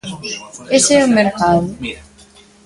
¿Ese é o mercado?